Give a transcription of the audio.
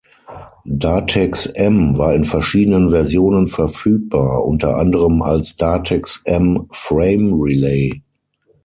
Datex-M war in verschiedenen Versionen verfügbar, unter anderem als Datex-M-Frame-Relay.